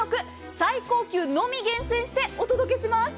最高級のみ厳選してお届けします。